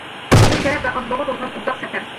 بۇ، شەرەپ ۋە ئارزۇغا تولغان ئۇزاق سەپەر.